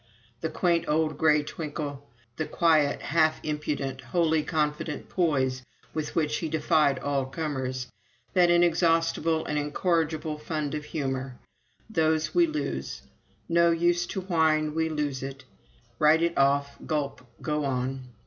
The quaint old gray twinkle the quiet, half impudent, wholly confident poise with which he defied all comers that inexhaustible and incorrigible fund of humor those we lose. No use to whine we lose it; write it off, gulp, go on.